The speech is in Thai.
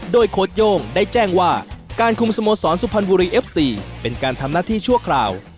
โดยโค้ดโย่งได้แจ้งว่าการคุมสโมสรสุพรรณบุรีเอฟซีเป็นการทำหน้าที่ชั่วคราว